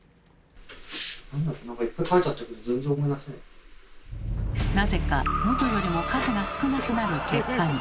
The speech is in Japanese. なんだろなぜか元よりも数が少なくなる結果に。